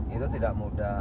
itu tidak mudah